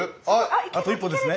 あと一歩ですね。